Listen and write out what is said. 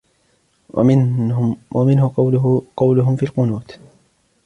وَمِنْهُ قَوْلُهُمْ فِي الْقُنُوتِ